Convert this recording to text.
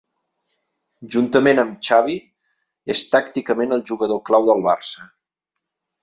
Juntament amb Xavi, és tàcticament el jugador clau del Barça.